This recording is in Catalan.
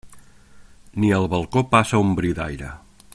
Ni al balcó passa un bri d'aire.